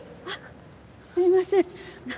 あっすいません。